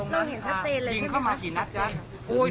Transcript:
เราเห็นชัดเจนเลยใช่ไหมครับ